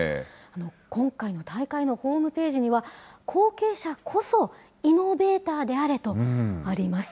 今回の大会のホームページには、後継者こそイノベーターであれとあります。